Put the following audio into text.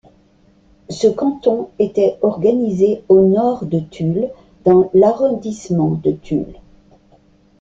Ce canton était organisé au nord de Tulle dans l'arrondissement de Tulle.